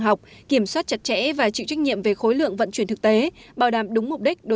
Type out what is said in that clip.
học kiểm soát chặt chẽ và chịu trách nhiệm về khối lượng vận chuyển thực tế bảo đảm đúng mục đích